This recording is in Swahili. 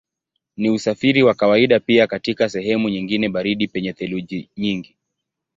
Ni usafiri wa kawaida pia katika sehemu nyingine baridi penye theluji nyingi.